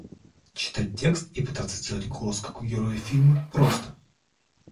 Читать текст и пытаться сделать голос как у героя фильма, просто.